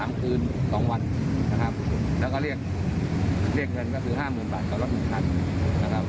แล้วก็เรียกเงินก็คือ๕หมูบาทกับรถหมูถัดนะครับ